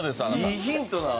いいヒントなん？